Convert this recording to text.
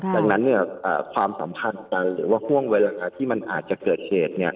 ดังนั้นความสัมพันธ์หรือว่าห่วงเวลาที่มันอาจจะเกิดเหตุ